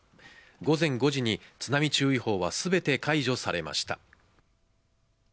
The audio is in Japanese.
午前５時に津波注意報はすべて解除されました。